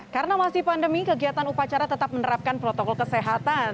karena masih pandemi kegiatan upacara tetap menerapkan protokol kesehatan